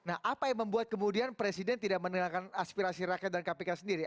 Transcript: nah apa yang membuat kemudian presiden tidak mendengarkan aspirasi rakyat dan kpk sendiri